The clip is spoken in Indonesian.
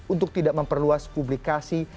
untuk tidak memperluas publikasi